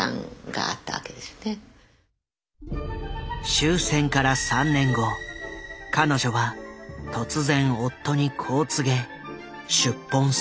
終戦から３年後彼女は突然夫にこう告げ出奔する。